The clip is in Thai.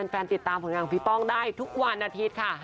ติดตามผลงานของพี่ป้องได้ทุกวันอาทิตย์ค่ะ